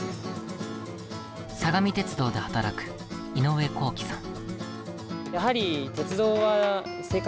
相模鉄道で働く井上滉稀さん。